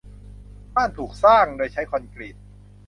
บ้านถูกสร้างโดยใช้คอนกรีต